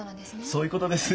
そういうことです。